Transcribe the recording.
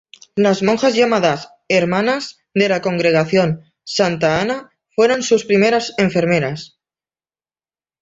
Las monjas llamadas Hermanas de la Congregación Santa Ana fueron sus primeras enfermeras.